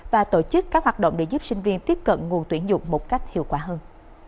và tổ chức các hoạt động để giúp sinh viên tiếp cận nguồn tuyển dụng một cách hiệu quả hơn